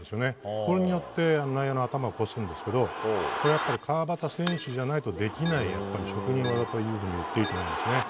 これによって内野の頭を越すんですけど川端選手じゃないとできない職人技というふうに言っていいと思います。